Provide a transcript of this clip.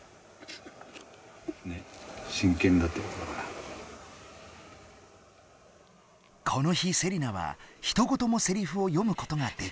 この日セリナはひと言もセリフを読むことができなかった。